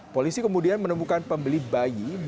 polisi kemudian menemukan pembeli bayi